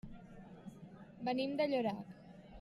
Venim de Llorac.